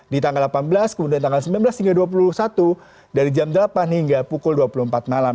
di tanggal delapan belas kemudian tanggal sembilan belas hingga dua puluh satu dari jam delapan hingga pukul dua puluh empat malam